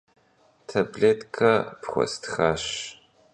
Tablêtke pxuestxaş.